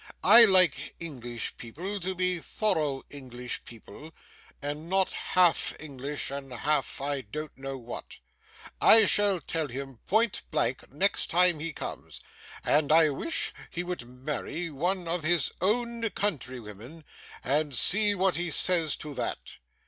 I like English people to be thorough English people, and not half English and half I don't know what. I shall tell him point blank next time he comes, that I wish he would marry one of his own country women; and see what he says to that.